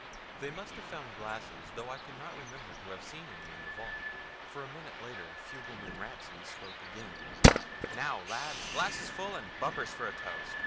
They must have found glasses, though I could not remember to have seen any in the vault, for a minute later fugleman Ratsey spoke again 'Now, lads, glasses full and bumpers for a toast.